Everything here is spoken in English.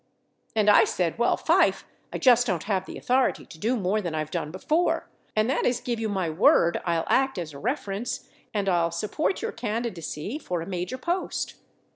498 And I said, well, Fife, I just don't have the authority to do more than I've done before, and that is give you my word I'll act as a reference and I'll support your candidacy for a major post.